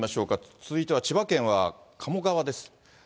続いては千葉県は鴨川です。